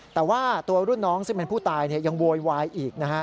แต่ว่าตัวรุ่นน้องซึ่งเป็นผู้ตายยังโวยวายอีกนะฮะ